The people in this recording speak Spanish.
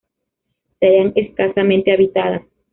Se hallan escasamente habitadas.